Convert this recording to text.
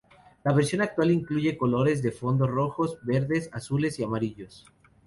La versión actual incluye colores de fondo rojos, verdes, azules y amarillos.